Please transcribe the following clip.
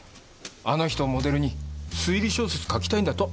あの人をモデルに推理小説書きたいんだと。